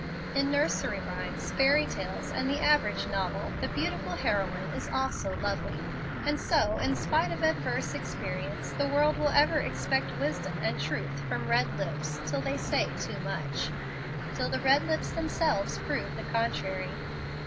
In nursery rhymes, fairy tales, and the average novel, the beautiful heroine is also lovely, and so in spite of adverse experience the world will ever expect wisdom and truth from red lips, till they say too much till the red lips themselves prove the contrary.